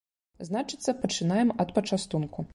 Значыцца, пачынаем ад пачастунку.